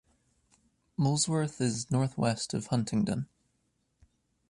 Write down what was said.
Molesworth is north-west of Huntingdon.